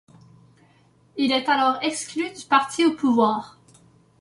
Il est alors exclu du parti au pouvoir.